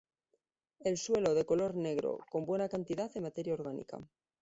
El suelo de color negro con buena cantidad de materia orgánica.